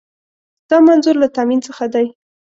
دا منظور له تامین څخه دی.